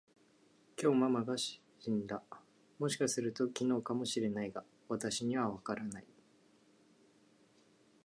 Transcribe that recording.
きょう、ママンが死んだ。もしかすると、昨日かも知れないが、私にはわからない。